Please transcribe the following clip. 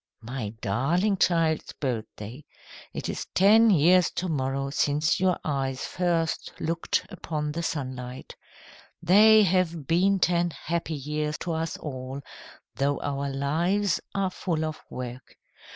"My darling child's birthday. It is ten years to morrow since your eyes first looked upon the sunlight. They have been ten happy years to us all, though our lives are full of work.